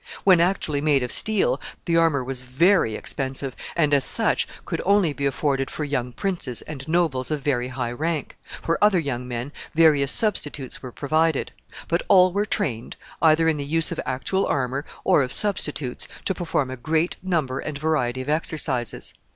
When actually made of steel, the armor was very expensive, and such could only be afforded for young princes and nobles of very high rank; for other young men, various substitutes were provided; but all were trained, either in the use of actual armor, or of substitutes, to perform a great number and variety of exercises.